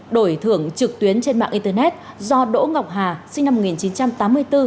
đổi thưởng trực tuyến trên mạng internet do đỗ ngọc hà sinh năm một nghìn chín trăm tám mươi bốn